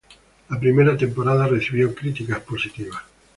La primera temporada recibió críticas positivas.